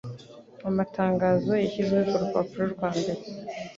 Amatangazo yashyizwe kurupapuro rwambere.